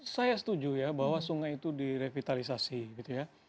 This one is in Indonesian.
saya setuju ya bahwa sungai itu direvitalisasi gitu ya